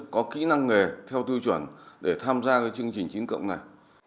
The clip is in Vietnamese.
có kỹ năng nghề theo tư chuẩn để tham gia chương trình chín cộng này